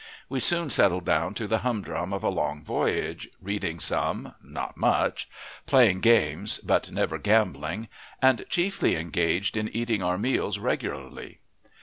We soon settled down to the humdrum of a long voyage, reading some, not much; playing games, but never gambling; and chiefly engaged in eating our meals regularly.